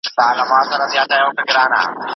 د ځنګلونو ساتنه د وحشي ژوو د ژوند تضمین دی.